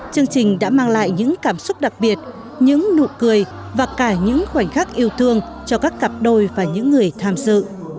chương trình đã mang lại những cảm xúc đặc biệt những nụ cười và cả những khoảnh khắc yêu thương cho các cặp đôi và những người tham dự